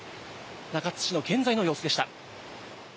中津市の現在の様子でした。